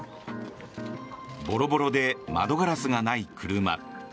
ボロボロで窓ガラスがない車。